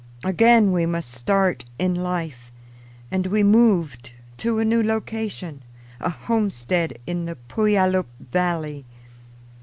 Again we must start in life, and we moved to a new location, a homestead in the Puyallup valley.